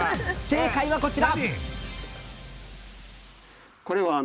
正解はこちら！